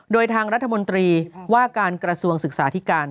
โดยทางรัฐมนตรีว่าการกระทรวงศึกษาธิการ